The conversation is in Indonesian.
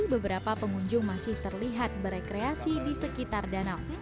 beberapa pengunjung masih terlihat berekreasi di sekitar danau